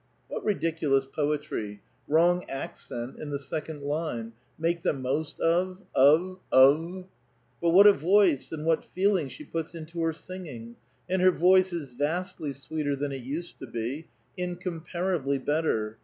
* "What ridiculous poetry ! wrong accent in the second line : make the most of! o/, uv ! But what a voice and what feel ing she puts into her singing; and her voice is vastly sweeter than it used to be — incomparably better!